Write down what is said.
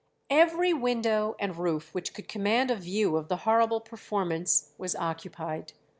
Every window and roof which could command a view of the horrible performance was occupied.